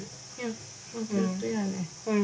うん。